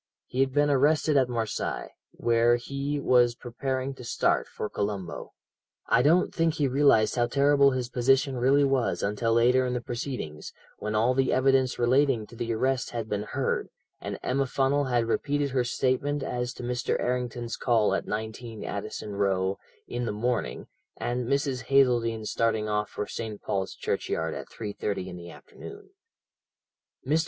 "He had been arrested at Marseilles, where he was preparing to start for Colombo. "I don't think he realized how terrible his position really was until later in the proceedings, when all the evidence relating to the arrest had been heard, and Emma Funnel had repeated her statement as to Mr. Errington's call at 19, Addison Row, in the morning, and Mrs. Hazeldene starting off for St. Paul's Churchyard at 3.30 in the afternoon. "Mr.